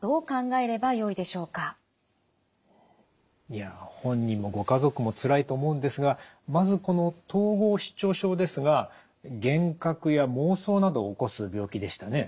いや本人もご家族もつらいと思うんですがまずこの統合失調症ですが幻覚や妄想などを起こす病気でしたね？